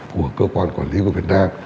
của cơ quan quản lý của việt nam